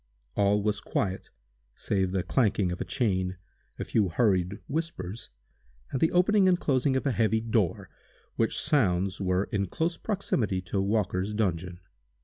All was quiet, save the clanking of a chain, a few hurried whispers, and the opening and closing of a heavy door, which sounds were in close proximity to Walker's dungeon.